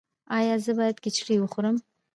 ایا زه باید کیچړي وخورم؟